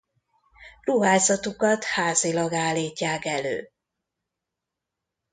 Ruházatukat házilag állítják elő.